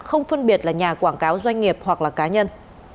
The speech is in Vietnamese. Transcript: không phân biệt là nhà quảng cáo doanh nghiệp hoặc là cá nhân